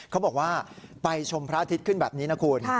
เขาบอกว่าไปชมพระอาทิตย์ขึ้นแบบนี้นะคุณ